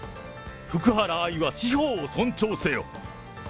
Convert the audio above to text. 福原愛は司法を尊重せよ。